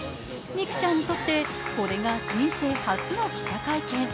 美空ちゃんにとってこれが人生初の記者会見。